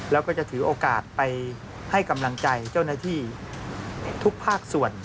แล้วก็จะถือโอกาสไปให้กำลังใจเจ้าหน้าที่ทุกภาคส่วน